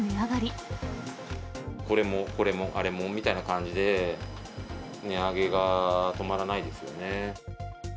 これもこれもあれもみたいな感じで、値上げが止まらないですよね。